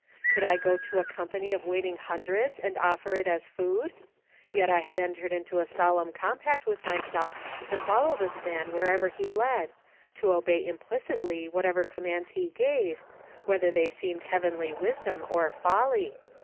Could I go to a company of waiting hundreds and offer it as food ? Yet I had entered into a solemn compact with myself to follow this man wherever he led; to obey implicitly whatever commands he gave, whether they seemed heavenly wisdom or folly.